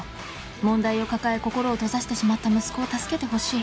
問題を抱え心を閉ざしてしまった息子を助けてほしい